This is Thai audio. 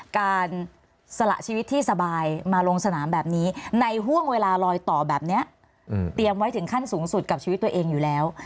สละชีวิตที่สบายมาลงสนามแบบนี้ในห่วงเวลาลอยต่อแบบนี้เตรียมไว้ถึงขั้นสูงสุดกับชีวิตตัวเองอยู่แล้ว